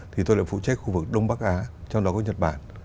thì tôi lại phụ trách khu vực đông bắc á trong đó có nhật bản